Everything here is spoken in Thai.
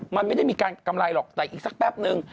มันไม่ได้มีการกำไรหรอกแต่อีกสักแป๊บนึง